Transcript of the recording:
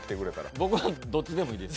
僕はどっちでもいいです。